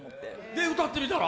で歌ってみたら？